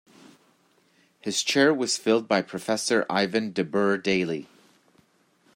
His chair was filled by Professor Ivan De Burgh Daly.